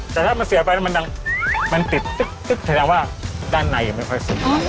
แต่ถ้ามันเสียบไปเนี่ยติดแสดงว่าด้านในไม่ค่อยสุก